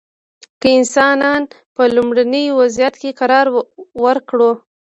که انسانان په لومړني وضعیت کې قرار ورکړو.